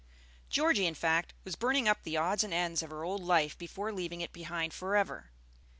Georgie, in fact, was burning up the odds and ends of her old life before leaving it behind forever.